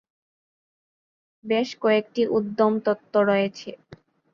বেশ কয়েকটি উদ্যম তত্ত্ব রয়েছে।